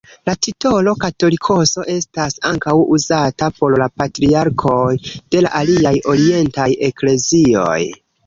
La titolo «katolikoso» estas ankaŭ uzata por la patriarkoj de la aliaj orientaj eklezioj.